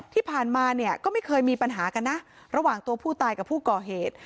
ที่ผ่านมาเนี่ยก็ไม่เคยมีปัญหากันนะระหว่างตัวผู้ตายกับผู้ก่อเหตุ